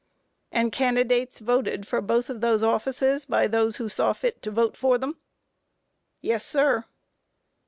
Q. And candidates voted for both of those officers by those who saw fit to vote for them? A. Yes, sir.